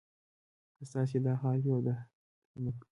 که ستاسې دا حال وي او د ځمکې.